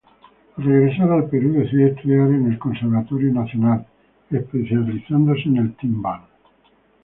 Al regresar al Perú decide estudiar en el Conservatorio Nacional especializándose en el timbal.